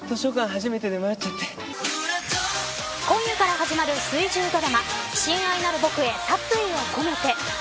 初めてで、迷っち今夜から始まる水１０ドラマ親愛なる僕へ殺意をこめて。